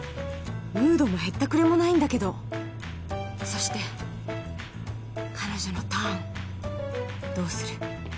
ムードもへったくれもないんだけどそして彼女のターンどうする？